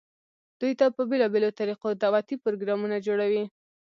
دوي ته په بيلابيلو طريقودعوتي پروګرامونه جوړووي،